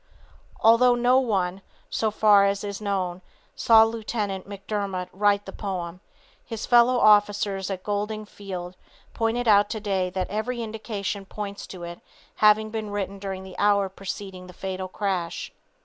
Although no one, so far as is known, saw Lieutenant McDermott write the poem, his fellow officers at Golding field pointed out today that every indication points to it having been written during the hour preceding the fatal crash.